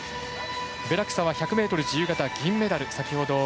ベラクサは１００ｍ自由形銀メダル。